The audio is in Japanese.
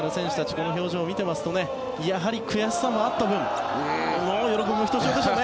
この表情を見ていますとやはり悔しさもあった分喜びもひとしおでしょうね。